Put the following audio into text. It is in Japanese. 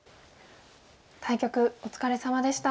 対局お疲れさまでした。